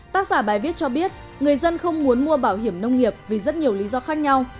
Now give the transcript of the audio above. tác giả bài viết cho biết người dân không muốn mua bảo hiểm nông nghiệp vì rất nhiều lý do khác nhau